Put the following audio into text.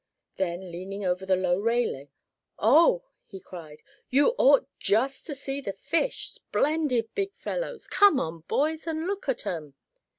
Then leaning over the low railing, "Oh!" he cried, "you ought just to see the fish! splendid big fellows. Come on, boys, and look at 'em!"